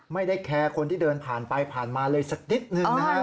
ไม่ได้แคร์คนที่เดินผ่านไปผ่านมาเลยสักนิดนึงนะฮะ